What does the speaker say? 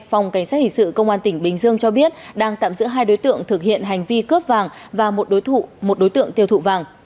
phòng cảnh sát hình sự công an tỉnh bình dương cho biết đang tạm giữ hai đối tượng thực hiện hành vi cướp vàng và một đối một đối tượng tiêu thụ vàng